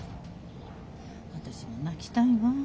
私も泣きたいわ。